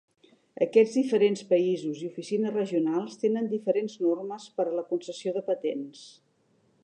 Aquests diferents països i oficines regionals tenen diferents normes per a la concessió de patents.